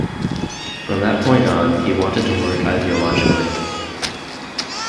From that point on, he wanted to work ideologically.